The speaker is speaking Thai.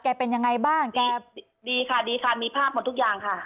เป็นยังไงบ้างแกดีค่ะดีค่ะมีภาพหมดทุกอย่างค่ะ